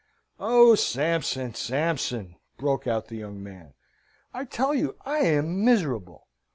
"Oh, Sampson, Sampson!" broke out the young man. "I tell you I am miserable.